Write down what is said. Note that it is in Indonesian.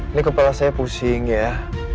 ini kepala saya pusing ya